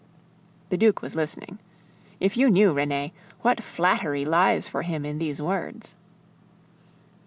(The Duke was listening. If you knew, Renee, what flattery lies for him in these words.)